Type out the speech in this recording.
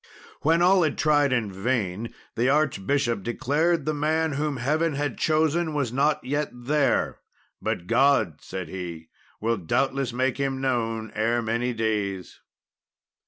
When all had tried in vain, the archbishop declared the man whom Heaven had chosen was not yet there. "But God," said he, "will doubtless make him known ere many days."